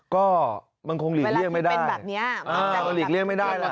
ก็มันคงหลีกเลี่ยงไม่ได้มันหลีกเลี่ยงไม่ได้ล่ะ